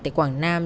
tại quảng nam